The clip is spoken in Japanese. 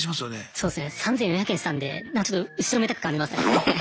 そうですね３４００円したんでちょっと後ろめたく感じましたね。